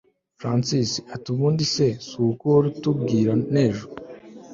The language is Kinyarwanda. Francis atiubundi se suko uhora utubwira nejo